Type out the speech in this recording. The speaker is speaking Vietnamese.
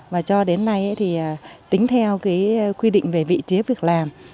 và cho đến nay tính theo quy định về vị trí việc làm